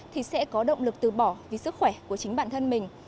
thì sẽ có động lực từ bỏ vì sức khỏe của chính bản thân mình